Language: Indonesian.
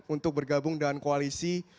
untuk bergabung dengan koalisi